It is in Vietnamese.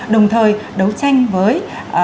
đồng thời đấu tranh với